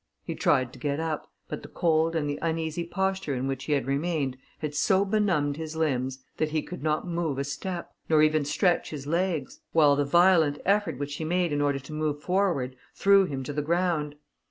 He tried to get up, but the cold and the uneasy posture in which he had remained, had so benumbed his limbs, that he could not move a step, nor even stretch his legs; while the violent effort which he made in order to move forward, threw him to the ground.